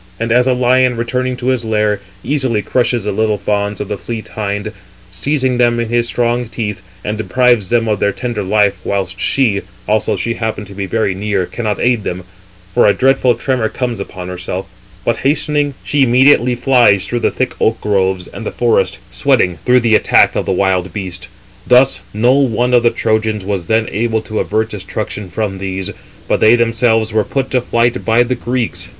And as a lion, returning to his lair, easily crushes the little fawns of the fleet hind, seizing them in his strong teeth, and deprives them of their tender life, whilst she, although she happen [to be] very near, cannot aid them; for a dreadful tremor comes upon herself; but hastening, she immediately flies through the thick oak groves and the forest, sweating, through the attack of the wild beast. Thus no one of the Trojans was then able to avert destruction from these, but they themselves were put to flight by the Greeks.